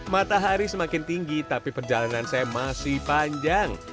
matahari semakin tinggi tapi perjalanan saya masih panjang